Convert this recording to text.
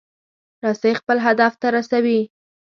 رسۍ خپل هدف ته رسوي.